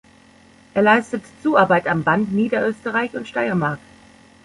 Er leistete Zuarbeit am Band Niederösterreich und Steiermark.